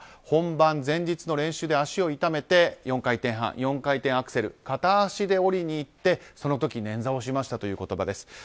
本番前日の練習で足を痛めて４回転半、４回転アクセル片足で降りにいってその時に捻挫をしましたという言葉です。